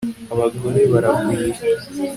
abagore baragwira